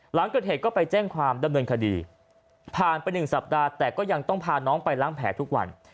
หลังเกิดเหตุก็ไปแจ้งความดำเนินคดีผ่านไป๑สัปดาห์แต่ก็ยังต้องพาน้องไปล้างแผลทุกวัน